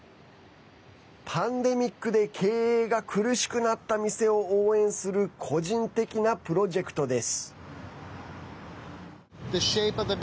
パンデミックで経営が苦しくなった店を応援する個人的なプロジェクトです。